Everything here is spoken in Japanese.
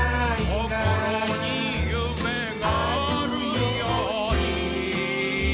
「心に夢があるように」